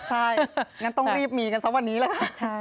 ใช่งั้นต้องรีบมีกันซะวันนี้แหละ